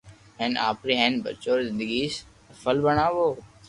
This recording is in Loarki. ھين آپري ھين ٻچو ري زندگي سفل بڻاوُ